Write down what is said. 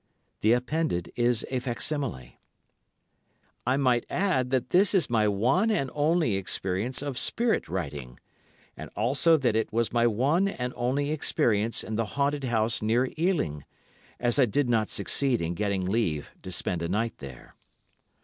The appended is a facsimile. I might add that this is my one and only experience of spirit writing, and also that it was my one and only experience in the haunted house near Ealing, as I did not succeed in getting leave to spend a night there.